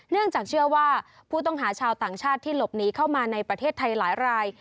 เนื่องจากเชื่อว่าผู้ต้องหาชาวต่างชาติที่หลบหนีเข้ามาในประเทศไทยหลายราย